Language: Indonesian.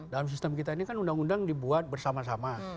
dalam sistem kita ini kan undang undang dibuat bersama sama